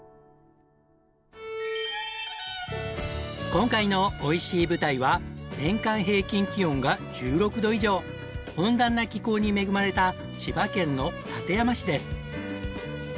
今回のおいしい舞台は年間平均気温が１６度以上温暖な気候に恵まれた千葉県の館山市です。